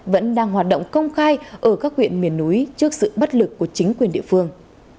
vẫn đang hoạt động công khai ở các huyện miền núi trước sự bất lực của chính quyền địa phương